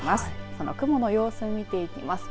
その雲の様子を見ていきます。